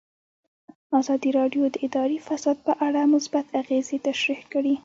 ازادي راډیو د اداري فساد په اړه مثبت اغېزې تشریح کړي.